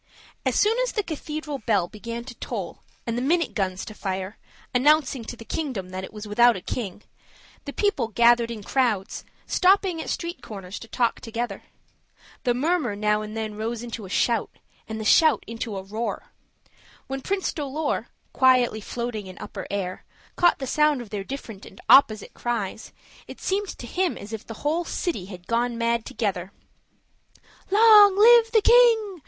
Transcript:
As soon as the cathedral bell began to toll and the minute guns to fire, announcing to the kingdom that it was without a king, the people gathered in crowds, stopping at street corners to talk together. The murmur now and then rose into a shout, and the shout into a roar. When Prince Dolor, quietly floating in upper air, caught the sound of their different and opposite cries, it seemed to him as if the whole city had gone mad together. "Long live the king!"